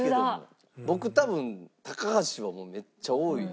僕多分高橋はめっちゃ多い。